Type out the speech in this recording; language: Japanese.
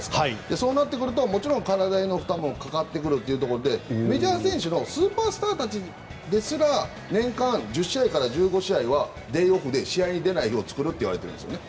そうなってくるともちろん体への負担もかかってくるというところでメジャー選手のスーパースターたちですら年間１０試合から１５試合はデーオフで試合に出ない日を作るといわれているんですね。